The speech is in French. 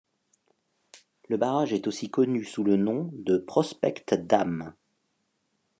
Le barrage est aussi connu sous le nom de Prospect Dam.